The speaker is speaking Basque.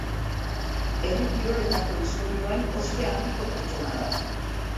Herri kiroletako historian, ospe handiko pertsona da.